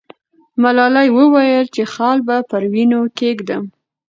ملالۍ وویل چې خال به پر وینو کښېږدم.